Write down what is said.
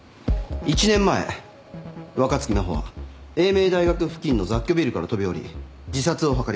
１年前若槻真帆は栄明大学付近の雑居ビルから飛び降り自殺を図りました。